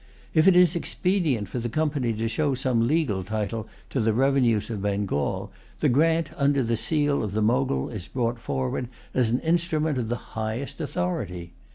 If it is expedient for the Company to show some legal title to the revenues of Bengal, the grant under the seal of the Mogul is brought forward as an instrument of the highest authority.